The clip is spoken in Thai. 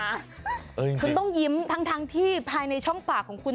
คุณต้องยิ้มทั้งที่ภายในช่องปากของคุณ